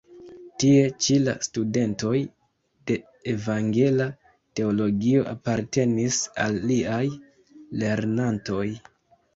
Tie ĉi la studentoj de evangela teologio apartenis al liaj lernantoj.